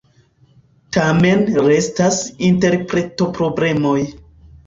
Tamen restas interpretoproblemoj.